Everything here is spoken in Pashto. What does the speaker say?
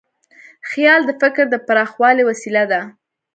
خیال د فکر د پراخوالي وسیله ده.